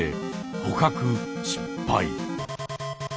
捕獲失敗。